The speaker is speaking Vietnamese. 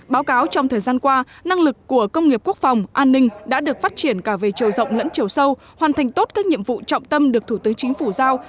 báo cáo trong thời gian qua năng lực của công nghiệp quốc phòng an ninh đã được phát triển cả về chiều rộng lẫn chiều sâu hoàn thành tốt các nhiệm vụ trọng tâm được thủ tướng chính phủ giao